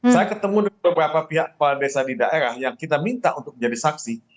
saya ketemu dengan beberapa pihak kepala desa di daerah yang kita minta untuk menjadi saksi